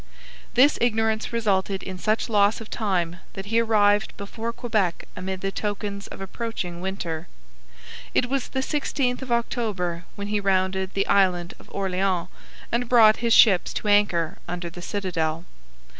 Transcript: This ignorance resulted in such loss of time that he arrived before Quebec amid the tokens of approaching winter. It was the 16th of October when he rounded the island of Orleans and brought his ships to anchor under the citadel.